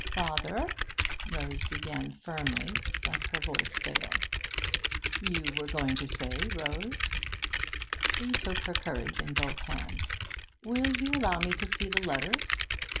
'Father' Rose began firmly, but her voice failed. 'You were going to say, Rose?' She took her courage in both hands. 'Will you allow me to see the letters?'